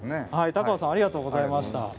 高尾さんありがとうございました。